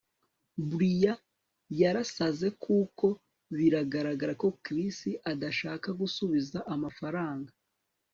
brian yarasaze kuko biragaragara ko chris adashaka gusubiza amafaranga